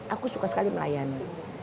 aku suka sekali melayani